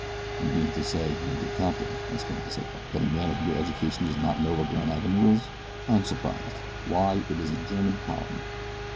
"You mean to say, my dear captain," exclaimed Pesita, "that a man of your education does not know where Granavenoo is? I am surprised. Why, it is a German colony."